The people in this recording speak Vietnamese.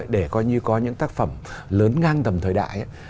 để coi như có những tác phẩm lớn ngang tầm thời đại